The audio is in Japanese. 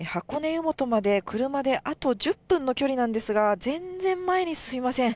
湯本まで車であと１０分の距離なんですが、全然前に進みません。